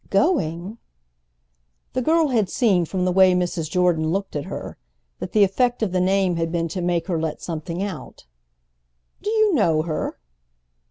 "'Going—'?" The girl had seen, from the way Mrs. Jordan looked at her, that the effect of the name had been to make her let something out. "Do you know her?"